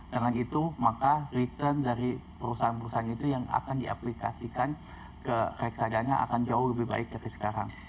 dengan itu maka return dari perusahaan perusahaan itu yang akan diaplikasikan ke reksadana akan jauh lebih baik dari sekarang